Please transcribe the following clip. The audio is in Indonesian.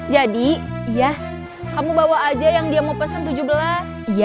jadi iya kamu bawa aja yang dia mau pesen tujuh belas iya nanti assalamualaikum waalaikumsalam